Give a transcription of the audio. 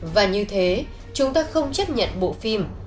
và như thế chúng ta không chấp nhận được những người dân việt nam